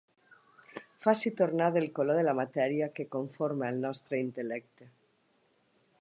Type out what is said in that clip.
Faci tornar del color de la matèria que conforma el nostre intel·lecte.